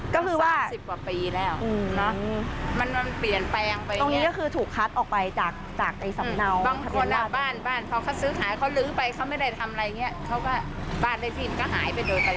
เขาก็บ้านเลขทีมก็หายไปโดยปริยาย